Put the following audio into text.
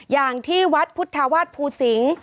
อย่างที่วัดพุทธวาสภูสิงศ์